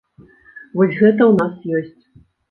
Вось гэта ў нас ёсць.